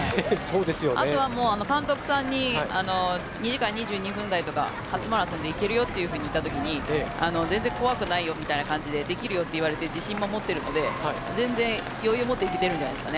あとは監督さんに２時間２２分台とか初マラソンで行けるよといったときに全然怖くないよみたいな感じでできるよみたいな感じで自信も持ってるので、全然余裕持っていけてるんじゃないですかね。